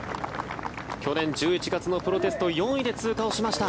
去年１１月のプロテスト４位で通過をしました。